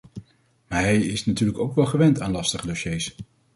Maar hij is natuurlijk ook wel gewend aan lastige dossiers.